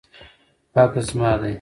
بکس زما دی